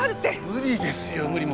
無理ですよ無理。